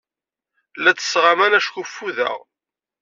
La ttesseɣ aman acku ffudeɣ.